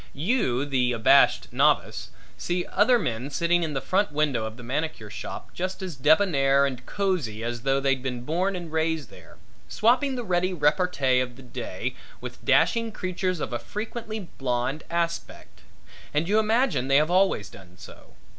You, the abashed novice, see other men sitting in the front window of the manicure shop just as debonair and cozy as though they'd been born and raised there, swapping the ready repartee of the day with dashing creatures of a frequently blonde aspect, and you imagine they have always done so.